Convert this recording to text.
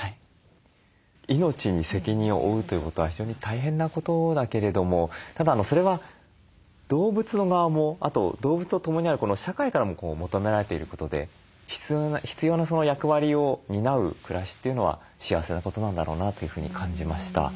命に責任を負うということは非常に大変なことだけれどもただそれは動物の側もあと動物とともにある社会からも求められていることで必要な役割を担う暮らしというのは幸せなことなんだろうなというふうに感じました。